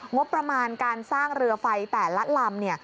งบประมาณการสร้างเรือไฟแต่ละลำเนี่ย